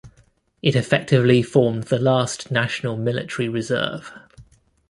It effectively formed the last national military reserve.